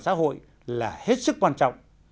xã hội là hết sức quan trọng